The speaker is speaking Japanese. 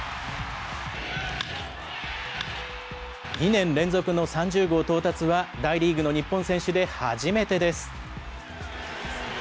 ２年連続の３０号到達は、大リーグの日本選手で初めてです。